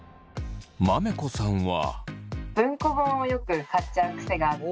まめこさんは。